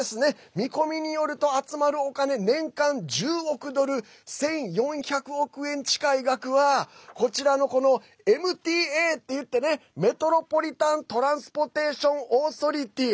見込みによると集まるお金、年間１０億ドル１４００億円近い額はこちらのＭＴＡっていってメトロポリタン・トランスポーテーション・オーソリティー。